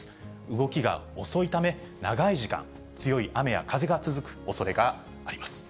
動きが遅いため、長い時間、強い雨や風が続くおそれがあります。